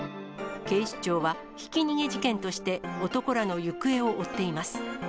警視庁は、ひき逃げ事件として男らの行方を追っています。